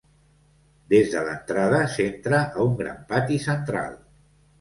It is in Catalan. Des de l'entrada s'entra a un gran pati central.